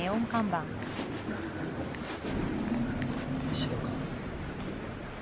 指導官。